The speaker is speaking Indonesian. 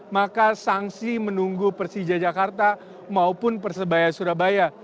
maka sanksi menunggu persija jakarta maupun persebaya surabaya